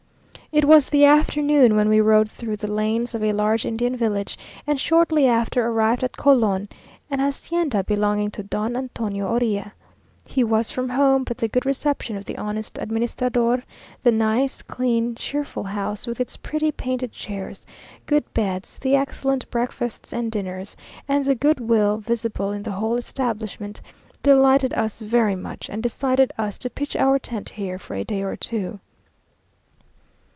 It was the afternoon when we rode through the lanes of a large Indian village, and shortly after arrived at Colon, an hacienda belonging to Don Antonio Orria. He was from home, but the good reception of the honest administrador, the nice, clean, cheerful house, with its pretty painted chairs, good beds, the excellent breakfasts and dinners, and the good will visible in the whole establishment, delighted us very much, and decided us to pitch our tent here for a day or two.